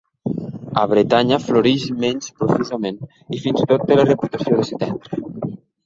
A Bretanya floreix menys profusament i fins i tot té la reputació de ser tendre.